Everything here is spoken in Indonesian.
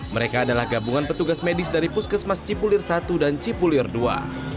mereka adalah gabungan petugas medis dari puskesmas cipulir satu dan cipulir ii